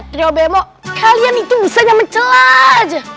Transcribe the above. trio bemo kalian itu busanya mencela aja